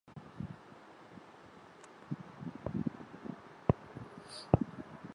ঘরোয়া প্রথম-শ্রেণীর ইংরেজ কাউন্টি ক্রিকেটে ইয়র্কশায়ার, ল্যাঙ্কাশায়ার ও ডার্বিশায়ারের প্রতিনিধিত্ব করেছেন তিনি।